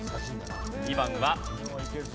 ２番は。